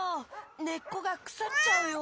ねっこがくさっちゃうよ。